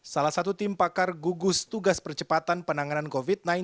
salah satu tim pakar gugus tugas percepatan penanganan covid sembilan belas